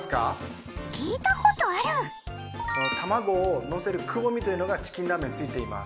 たまごを乗せるくぼみというのがチキンラーメンについています。